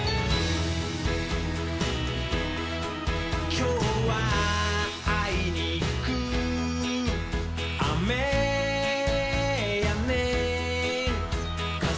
「きょうはあいにくあめやねん」